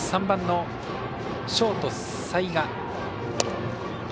３番のショート、齊賀。